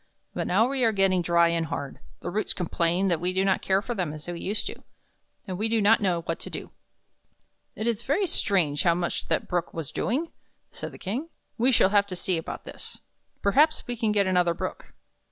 But now we are getting dry and hard, the roots complain that we do not care for them as we used to; and we do not know what to do." "It is very strange how much that Brook was doing," said the King. "We shall have to see about this. Perhaps we can get another Brook.